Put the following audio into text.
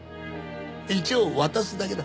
一応渡すだけだ。